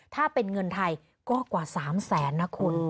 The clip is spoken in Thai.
ถ้าเป็นเงินไทยก็กว่า๓แสนนะคุณ